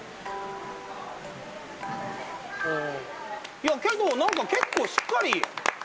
いやけどなんか結構しっかり。